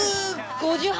５８。